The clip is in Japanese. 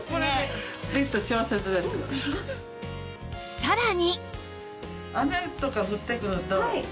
さらに